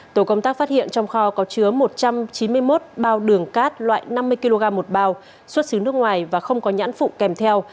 tổ công tác phát hiện trong kho có chứa một trăm chín mươi một bao đường cát loại năm mươi kg một bao xuất xứ nước ngoài và không có nhãn phụ kèm theo